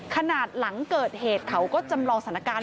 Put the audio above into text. ขนาดหลังเกิดเหตุเขาก็จำลองสถานการณ์